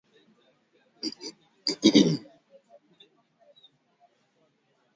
juisi ya viazi lishe inatumia viazi vilivyopikwa na kuiva